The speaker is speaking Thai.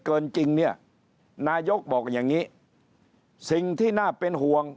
เกินจริงนายกรัฐมนตรีบอกอย่างนี้สิ่งที่น่าเป็นห่วง